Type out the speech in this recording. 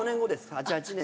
８８年。